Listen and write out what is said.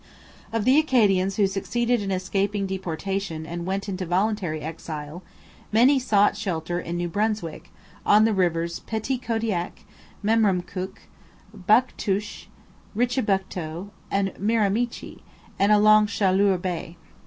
Of the Acadians who succeeded in escaping deportation and went into voluntary exile, many sought shelter in New Brunswick, on the rivers Petitcodiac, Memramcook, Buctouche, Richibucto, and Miramichi, and along Chaleur Bay.